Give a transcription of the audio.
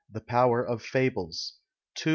THE POWER OF FABLES. TO M.